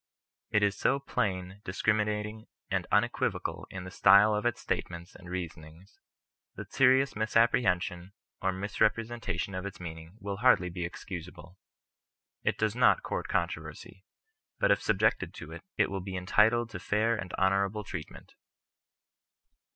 It is so plain, discriminating, and unequivocal in the style of its statements and reasonings, that serious misapprehension or misrepre sentation of its meaning will hardly be excusable. It does not court controversy, but if subjected to it will be entitled to fair and honourable treatment.